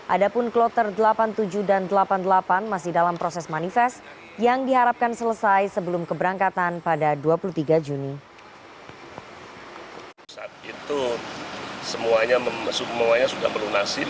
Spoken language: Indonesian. adapun kloter delapan puluh tujuh dan delapan puluh delapan masih dalam proses manifest yang diharapkan selesai sebelum keberangkatan pada dua puluh tiga juni